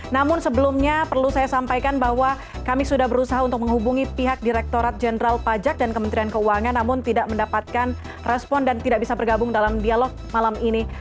namun sebelumnya perlu saya sampaikan bahwa kami sudah berusaha untuk menghubungi pihak direkturat jenderal pajak dan kementerian keuangan namun tidak mendapatkan respon dan tidak bisa bergabung dalam dialog malam ini